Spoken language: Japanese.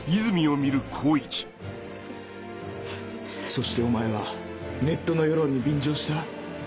そしてお前はネットの世論に便乗した。